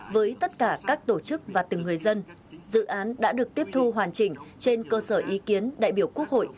với tất cả các tổ chức và từng người dân dự án đã được tiếp thu hoàn chỉnh trên cơ sở ý kiến đại biểu quốc hội